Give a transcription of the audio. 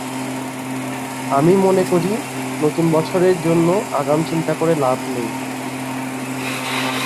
আমি মনে করি, নতুন বছরের জন্য আগাম চিন্তা করে লাভ নেই।